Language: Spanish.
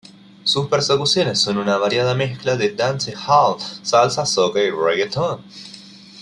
Sus percusiones son una variada mezcla de dancehall, salsa, soca y reguetón.